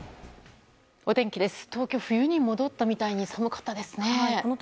お天気です。